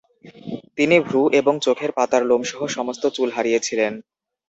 তিনি ভ্রু এবং চোখের পাতার লোমসহ সমস্ত চুল হারিয়েছিলেন।